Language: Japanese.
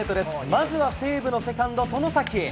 まずは西武のセカンド、外崎。